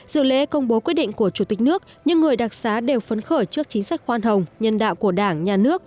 dự lễ công bố quyết định của chủ tịch nước những người đặc xá đều phấn khởi trước chính sách khoan hồng nhân đạo của đảng nhà nước